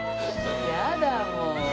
やだもう。